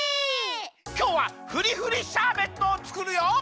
きょうはふりふりシャーベットをつくるよ！